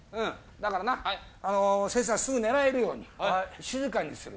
だからな先生がすぐ寝られるように静かにする。